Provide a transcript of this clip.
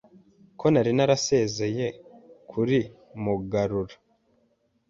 ko nari narasezeye kuri Mugarura,